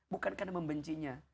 bukan karena membencinya